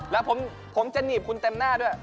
แล้วผมจะหนีบคุณเต็มหน้าด้วย